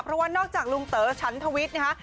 เพราะว่านอกจากลุงเต๋อฉันทวิทย์นะคะ